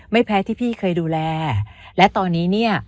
ไม่แพ้ที่พี่เคยดูแลและตอนนี้เนี่ย